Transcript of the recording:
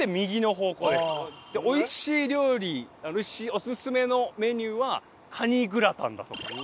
美味しい料理オススメのメニューはカニグラタンだそうです。